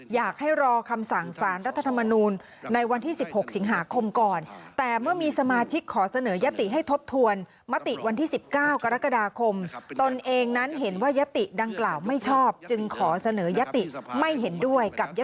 การเสนชื่อซ้ำตามข้อ๑๑เนี่ย